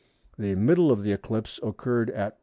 The middle of the eclipse occurred at 1h.